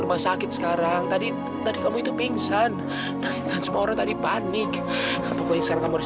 rumah sakit sekarang tadi tadi kamu itu pingsan orang tadi panik pokoknya sekarang kamu harus